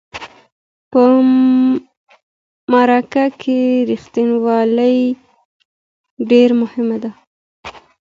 په مرکه کې رښتینولي ډیره مهمه ده.